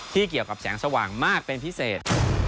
เกี่ยวกับแสงสว่างมากเป็นพิเศษ